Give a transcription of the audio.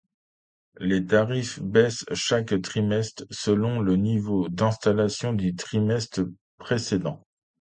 Les tarifs baissent chaque trimestre selon le niveau d'installation du trimestre précédent.